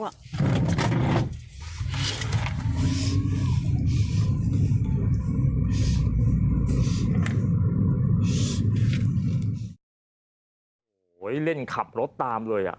โอ้โหเล่นขับรถตามเลยอ่ะ